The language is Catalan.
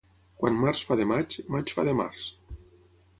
Quan març fa de maig, maig fa de març